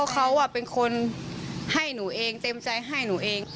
เขาเป็นคนให้หนูเองเต็มใจให้หนูเอง